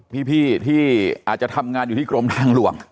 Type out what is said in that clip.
พี่ที่อาจจะทำงานอยู่ที่กรมทางหลวง